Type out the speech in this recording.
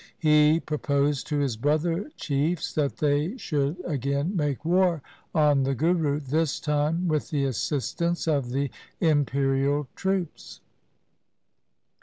He proposed to his brother chiefs that they should again make war on the Guru, this time with the assistance of the imperial troops.